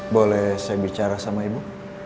boleh saya bicara sama ibu